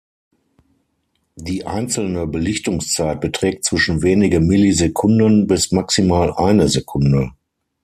Die einzelne Belichtungszeit beträgt zwischen wenige Millisekunden bis maximal eine Sekunde.